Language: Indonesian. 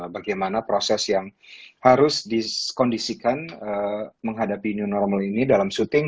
bagaimana proses yang harus dikondisikan menghadapi new normal ini dalam syuting